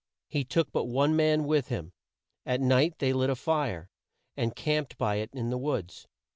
He took but one man with him. At night they lit a fire, and camped by it in the woods.